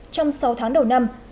trong sáu tháng đầu năm